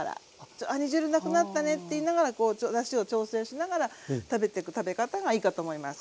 煮汁なくなったねって言いながらこうだしを調整しながら食べてく食べ方がいいかと思います。